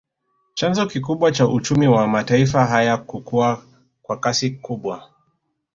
Chanzo kikubwa cha uchumi wa mataifa haya kukua kwa kasi kubwa